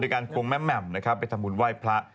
ด้วยการควงแม่มไปทำบุญไหว้พระ